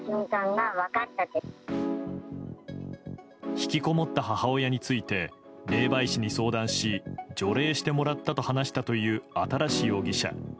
引きこもった母親について霊媒師に相談し除霊してもらったと話したという新容疑者。